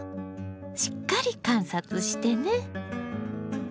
しっかり観察してね。